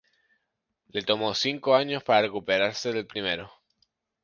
Le tomó cinco años para recuperarse del primero.